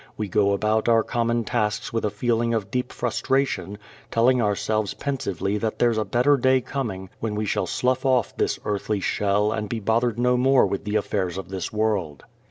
We go about our common tasks with a feeling of deep frustration, telling ourselves pensively that there's a better day coming when we shall slough off this earthly shell and be bothered no more with the affairs of this world.